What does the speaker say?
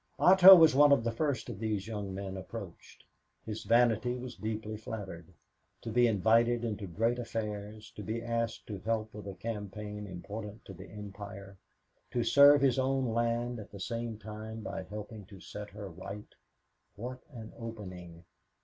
Otto was one of the first of these young men approached. His vanity was deeply flattered. To be invited into great affairs, to be asked to help with a campaign important to the Empire, to serve his own land at the same time by helping to set her right what an opening!